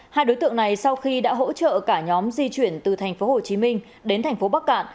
hai đối tượng này sau khi đã hỗ trợ cả nhóm di chuyển từ tp hcm đến tp bắc cạn